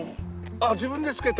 あっ自分でつけて。